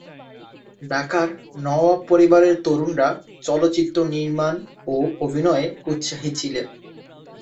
ঢাকার নওয়াব পরিবারের তরুণরা চলচ্চিত্র নির্মাণ ও অভিনয়ে উৎসাহী ছিলেন।